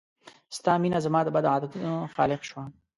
ستا مينه زما د بدو عادتونو خالق شوه